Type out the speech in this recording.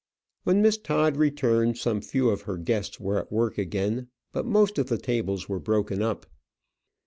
When Miss Todd returned some few of her guests were at work again; but most of the tables were broken up.